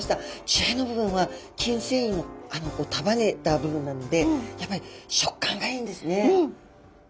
血合いの部分は筋繊維を束ねた部分なのでやっぱり食感がいいんですね。